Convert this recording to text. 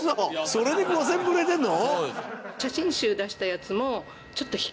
それで５０００部売れてるの？